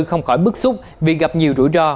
không khỏi bức xúc vì gặp nhiều rủi ro